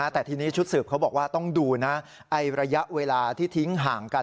แต่ทีนี้ชุดสืบเขาบอกว่าต้องดูนะระยะเวลาที่ทิ้งห่างกัน